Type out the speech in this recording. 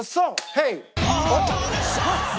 ヘイ！